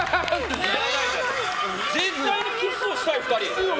絶対にキスをしたい２人。